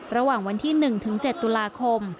ระหว่างวันที่๑๗ตุลาคม